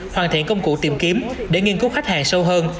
hoàn thiện công cụ tìm kiếm để nghiên cứu khách hàng sâu hơn